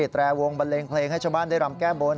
แตรวงบันเลงเพลงให้ชาวบ้านได้รำแก้บน